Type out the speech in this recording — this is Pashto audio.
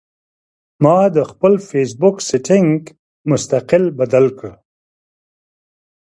ما د خپل فېس بک سېټنګ مستقل بدل کړۀ